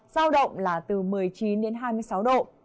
giao động là từ một mươi chín đến hai mươi sáu độ